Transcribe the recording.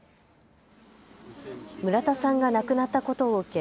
村田さんが亡くなったことを受け